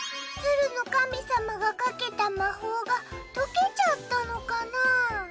ツルのかみさまがかけたまほうがとけちゃったのかな。